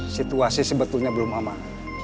situasi sebetulnya belum aman